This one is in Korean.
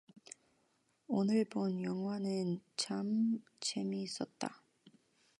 오늘 본 영화는 참 재미있었다.